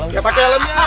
gak pake helmnya